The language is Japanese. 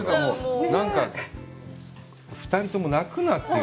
なんか２人とも泣くなって。